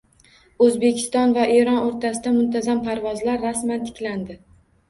O‘zbekiston va Eron o‘rtasida muntazam parvozlar rasman tiklandi